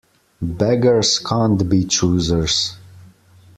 Beggars can't be choosers.